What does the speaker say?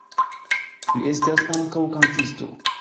Li estas ankaŭ kantisto.